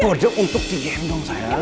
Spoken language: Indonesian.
kode untuk digendong sayang